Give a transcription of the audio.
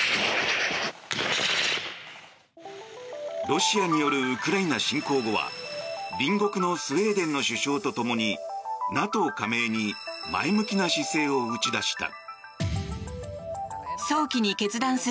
ロシアによるウクライナ侵攻後は隣国のスウェーデンの首相とともにＮＡＴＯ加盟に前向きな姿勢を打ち出した。